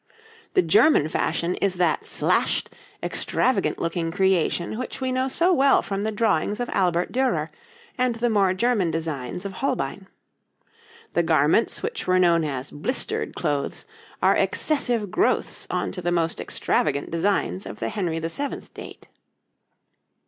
The German fashion is that slashed, extravagant looking creation which we know so well from the drawings of Albert Dürer and the more German designs of Holbein. The garments which were known as 'blistered' clothes are excessive growths on to the most extravagant designs of the Henry VII. date.